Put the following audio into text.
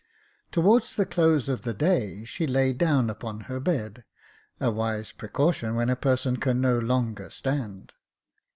Towards the close of the day, she lay down J.F. A 2 Jacob Faithful upon her bed — a wise precaution when a person can no longer stand.